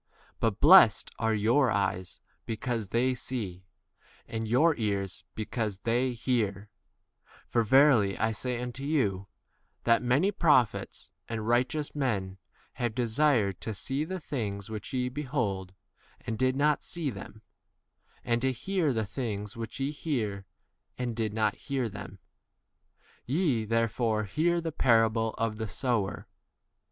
But blessed are your eyes because they see, and your ears because they hear ; W for verily I say unto you, that many prophets and righteous [men] have desired to see the things which ye behold and did not see [them], and to hear the things which ye hear and did not 18 hear [them]. Ye, therefore, hear 19 the parable of the sower.